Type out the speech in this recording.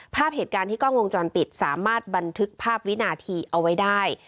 ภาพเหตุการณ์ที่กล้องวงจรปิดสามารถบันทึกภาพวินาทีเอาไว้ได้